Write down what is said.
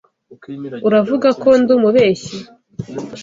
Uravuga ko ndi umubeshyi?